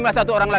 mas trum akan di